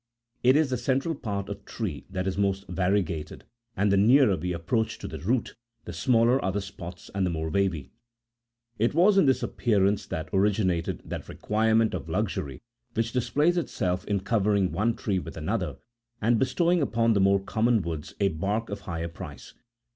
It is the central part of trees that is most variegated, and' the nearer we approach to the root the smaller are the spots and the more wavy. It was in this appearance that originated that requirement of luxury which displays itself in covering one tree with another, and bestowing upon the more common woods a bark of higher price.